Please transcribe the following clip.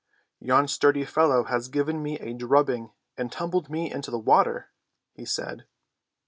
"Yon sturdy fellow has given me a drubbing and tumbled me into the water," he said.